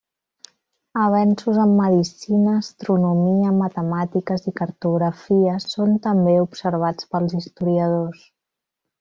Avenços en medicina, astronomia, matemàtiques, i cartografia són també observats pels historiadors.